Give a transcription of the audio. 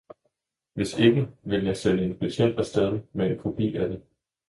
Hvis ikke, vil jeg sende en betjent af sted med en kopi af det.